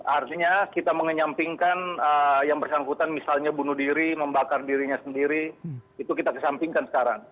artinya kita mengenyampingkan yang bersangkutan misalnya bunuh diri membakar dirinya sendiri itu kita kesampingkan sekarang